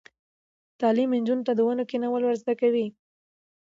تعلیم نجونو ته د ونو کینول ور زده کوي.